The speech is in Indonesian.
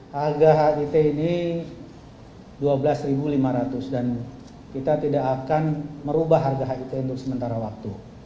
harga hit ini rp dua belas lima ratus dan kita tidak akan merubah harga hit untuk sementara waktu